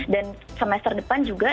dan semester depan juga